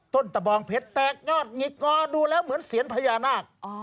ตะบองเพชรแตกยอดหงิกงอดูแล้วเหมือนเสียญพญานาค